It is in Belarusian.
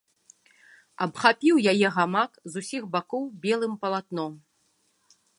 Абхапіў яе гамак з усіх бакоў белым палатном.